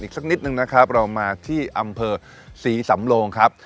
สักนิดนึงนะครับเรามาที่อำเภอศรีสำโลงครับ